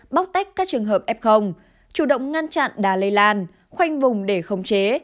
bóc tách các trường hợp f chủ động ngăn chặn đá lây lan khoanh vùng để không chế